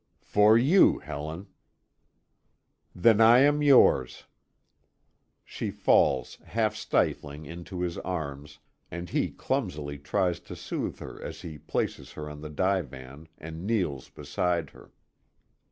"For you, Helen." "Then I am yours." She falls, half stifling, into his arms, and he clumsily tries to soothe her as he places her on the divan, and kneels beside her.